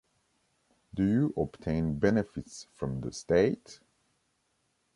Do you obtain benefits from the state?